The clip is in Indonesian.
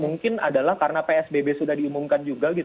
mungkin adalah karena psbb sudah diumumkan juga